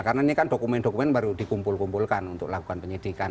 karena ini kan dokumen dokumen baru dikumpul kumpulkan untuk lakukan penyelidikan